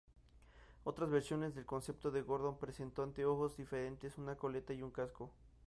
Otras versiones del concepto de Gordon presentó anteojos diferentes, una coleta, y un casco.